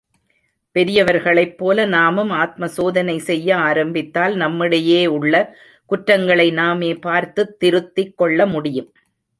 பெரியவர்களைப் போல நாமும் ஆத்மசோதனை செய்ய ஆரம்பித்தால் நம்மிடையே உள்ள குற்றங்களை நாமே பார்த்துத் திருத்திக் கொள்ள முடியும்.